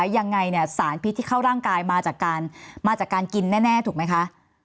ยังไงสารพิษที่เข้าร่างกายมาจากการกินแน่ถูกไหมคะ